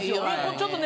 「ちょっとね